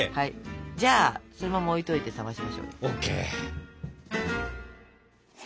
じゃあそのまま置いといて冷ましましょう。